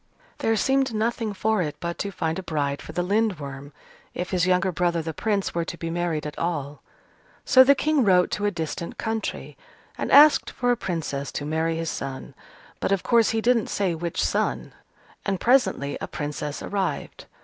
There seemed nothing for it but to find a bride for the Lindworm, if his younger brother, the Prince, were to be married at all. So the King wrote to a distant country, and asked for a Princess to marry his son (but, of course, he didn't say which son), and presently a Princess arrived.